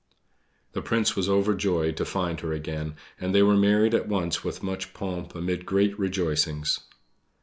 The Prince was overjoyed to find her again; and they were married at once with much pomp amid great rejoicings.